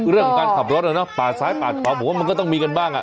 คือเรื่องของการขับรถนะปากซ้ายปากความผมว่ามันก็ต้องมีกันบ้าง